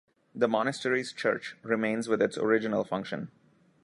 The monastery's church remains with its original function.